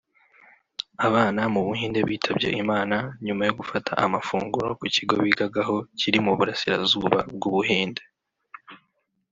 Abana mu buhinde bitabye Imana nyuma yo gufata amafunguro ku kigo bigagaho kiri mu burasirazuba bw’Ubuhinde